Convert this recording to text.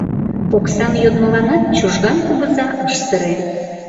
Оксам йодмыланат Чужган кугыза ыш сыре: